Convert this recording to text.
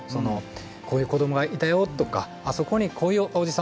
こういう子どもがいたよとかあそこにこういうおじさん